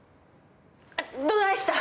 どないした！？